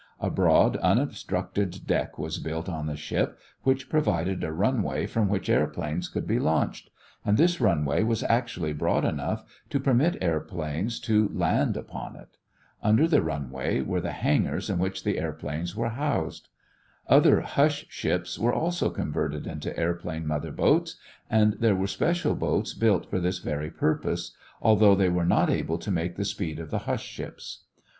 A broad, unobstructed deck was built on the ship which provided a runway from which airplanes could be launched, and this runway was actually broad enough to permit airplanes to land upon it. Under the runway were the hangars in which the airplanes were housed. Other "hush ships" were also converted into airplane mother boats and there were special boats built for this very purpose, although they were not able to make the speed of the "hush ships."